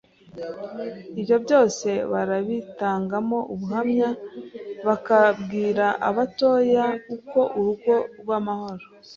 Ibyo byose barabitangamo ubuhamya, bakabwira abatoya uko urugo rw’amahoro